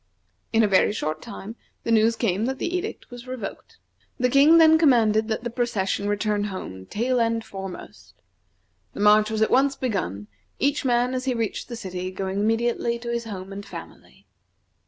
In a very short time the news came that the edict was revoked. The King then commanded that the procession return home, tail end foremost. The march was at once begun, each man, as he reached the city, going immediately to his home and family.